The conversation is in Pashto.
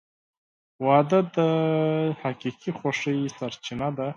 • واده د حقیقي خوښۍ سرچینه ده.